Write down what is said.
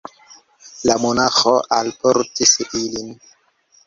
La monaĥo alportis ilin.